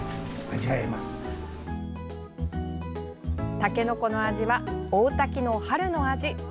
たけのこの味は大多喜の春の味。